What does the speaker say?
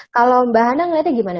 kalau mbak hana ngeliatnya gimana